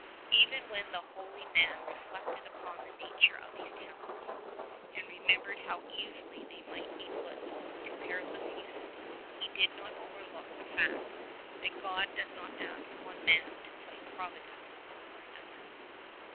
Even when the holy man reflected upon the nature of these talents and remem bered how easily they might be put to perilous uses, he did not overlook the fact that God does not ask one man to play Providence over another.